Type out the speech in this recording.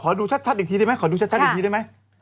ขอดูชัดอีกทีได้มั้ย